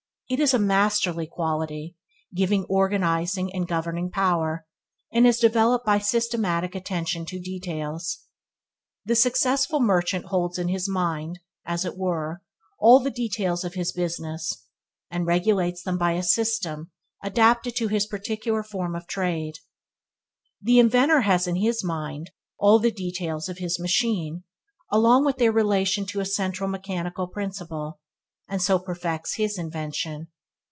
It is a masterly quality, giving organizing and governing power, and is developed by systematic attention to details. The successful merchant holds in his mind, as it were, all the details of his business, and regulates them by a system adapted to his particular form of trade. The inventor has in his mind all the details of his machine, along with their relation to a central mechanical principle, and so perfects his invention.